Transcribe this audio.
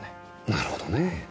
なるほどねぇ。